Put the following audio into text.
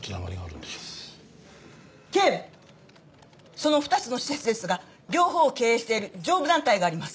その２つの施設ですが両方を経営している上部団体があります。